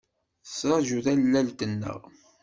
Tettṛaǧu tallalt-nneɣ.